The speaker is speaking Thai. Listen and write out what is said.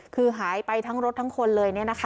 คือหายไปทั้งรถทั้งคนเลย